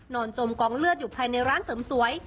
จมกองเลือดอยู่ภายในร้านเสริมสวย